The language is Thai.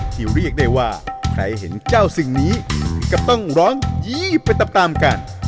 เรียกได้ว่าใครเห็นเจ้าสิ่งนี้ก็ต้องร้องยี้ไปตามตามกัน